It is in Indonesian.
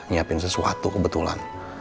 nyiapin sesuatu kebetulan